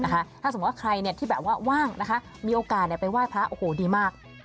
นะคะถ้าสมมุติว่าใครเนี่ยที่แบบว่าว่างนะคะมีโอกาสเนี่ยไปไหว้พระโอ้โหดีมาก